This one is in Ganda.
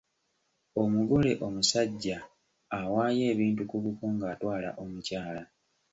Omugole omusajja awaayo ebintu ku buko ng'atwala omukyala.